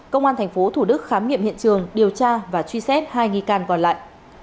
công an tp thủ đức khám nghiệm hiện trường điều tra và truy xét hai nghi can còn lại